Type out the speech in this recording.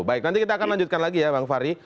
baik nanti kita akan lanjutkan lagi ya bang fahri